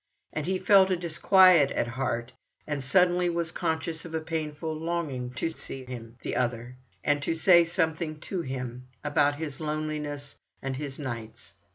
And he felt a disquiet at heart, and suddenly was conscious of a painful longing to see him, the other, and to say something to him about his loneliness and his nights.